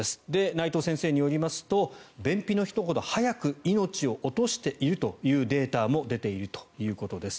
内藤先生によりますと便秘の人ほど早く命を落としているというデータも出ているということです。